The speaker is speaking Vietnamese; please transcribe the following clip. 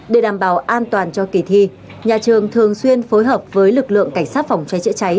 để đảm bảo an toàn cho kỳ thi nhà trường thường xuyên phối hợp với lực lượng cảnh sát phòng cháy chữa cháy